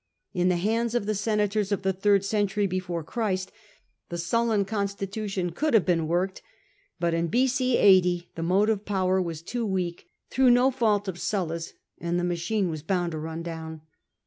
In the hands of the senators of the third century before Christ the SuUan constitution could have been worked ; but in b.c. 80 the motive power was too weak, through no fault of Sulla's, and the machine was bound to run down.